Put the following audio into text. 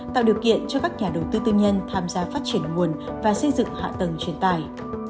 tạo điều kiện cho các nhà đầu tư tư nhân tham gia phát triển nguồn và xây dựng hạ tầng truyền tài